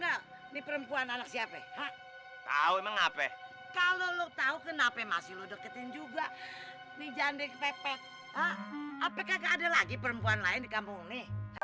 apakah gak ada lagi perempuan lain di kampung ini